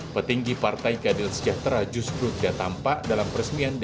petinggi partai kadil sejahtera justru tidak tampak dalam peresmian dan haji dewasa